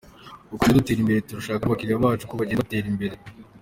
Uko tugenda dutera imbere, turashaka ko n’abakiliya bacu ariko bagenda batera imbere.